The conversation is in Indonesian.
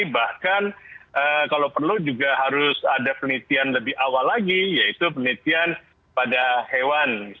bahkan kalau perlu juga harus ada penelitian lebih awal lagi yaitu penelitian pada hewan